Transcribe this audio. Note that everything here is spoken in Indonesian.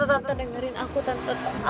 tante dengerin aku tante